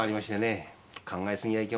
考え過ぎはいけません。